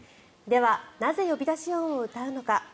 では、なぜ呼び出し音を歌うのか。